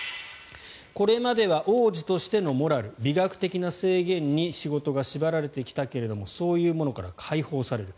これまでは王子としてのモラル美学的な制限に仕事が縛られてきたけどもそういったものから解放される